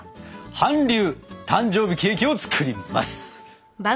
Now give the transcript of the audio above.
韓流誕生日ケーキを作ります！